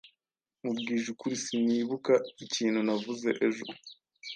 Nkubwije ukuri, sinibuka ikintu navuze ejo.